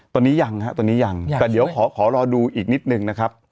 ตอนนี้ยังฮะตอนนี้ยังแต่เดี๋ยวขอรอดูอีกนิดนึงนะครับ